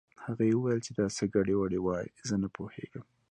هغې وويل چې دا څه ګډې وډې وايې زه نه پوهېږم